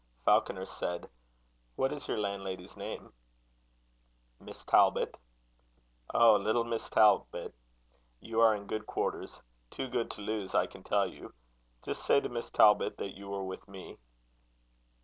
Falconer said: "What is your landlady's name?" "Miss Talbot." "Oh! little Miss Talbot? You are in good quarters too good to lose, I can tell you. Just say to Miss Talbot that you were with me."